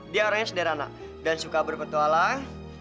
dia orang yang sederhana dan suka berpetualang